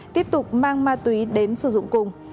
tiếp tục mang ma túy đến sử dụng cùng